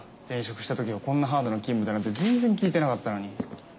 転職したときはこんなハードな勤務だなんて全然聞いてなかったのに。